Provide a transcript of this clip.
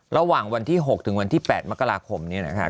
ระหว่างวันที่๖ถึงวันที่๘มกราคมนี้นะคะ